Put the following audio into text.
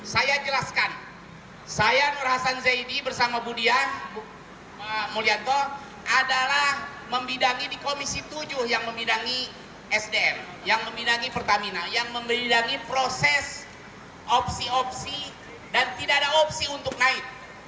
saya jelaskan saya nur hasan zaidi bersama budiah mulyanto adalah membidangi di komisi tujuh yang membidangi sdm yang membidangi pertamina yang membidangi proses opsi opsi dan tidak ada opsi untuk naik